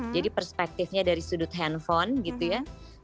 jadi perspektifnya dari sudut handphone gitu ya